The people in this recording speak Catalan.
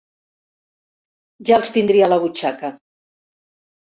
Ja els tindria a la butxaca.